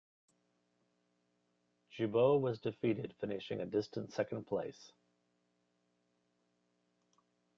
Gibeault was defeated finishing a distant second place.